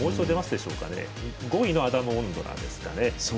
５位のアダム・オンドラですかね。